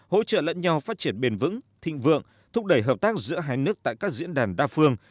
hỗ trợ lẫn nhau phát triển bền vững thịnh vượng thúc đẩy hợp tác giữa hai nước tại các diễn đàn đa phương